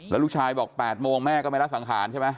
แล้วลูกชายบอก๘โมงแม่ก็ไม่ละสังขารใช่ไหม